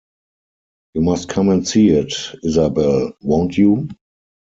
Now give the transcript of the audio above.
You must come and see it, Isabel — won’t you?